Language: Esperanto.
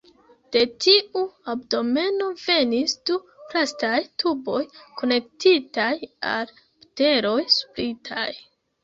De tiu abdomeno venis du plastaj tuboj konektitaj al boteloj sublitaj.